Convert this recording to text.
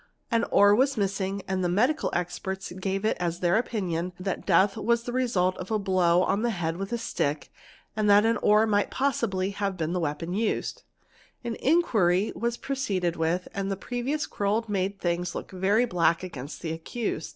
An oar was missing and the medical expe gave it as their opinion that death was the result of a blow on the with a stick and that an oar might probably have been the weapon us An inquiry was proceeded with and the previous quarrel made thi look very black against the accused.